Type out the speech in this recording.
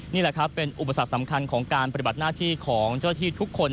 นี่แหละครับเป็นอุปสรรคสำคัญของการปฏิบัติหน้าที่ของเจ้าที่ทุกคน